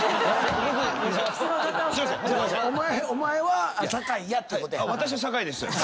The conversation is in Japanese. お前は酒井やってことや。